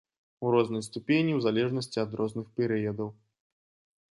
У рознай ступені ў залежнасці ад розных перыядаў.